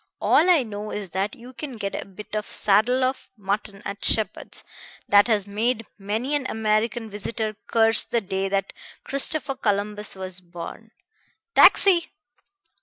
All I know is that you can get a bit of saddle of mutton at Sheppard's that has made many an American visitor curse the day that Christopher Columbus was born.... Taxi!"